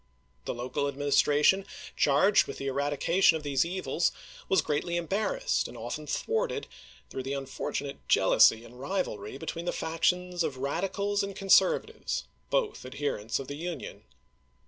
The local administration charged with the eradi cation of these evils was greatly embarrassed and often thwarted through the unfortunate jealousy and rivalry between the factions of radicals and conservatives, both adherents of the Union.